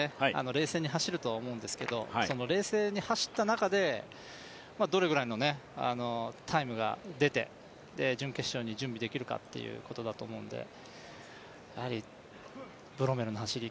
冷静に走るとは思うんですけど冷静に走った中でどれぐらいのタイムが出て準決勝に準備できるかということだと思うのでブロメルの走り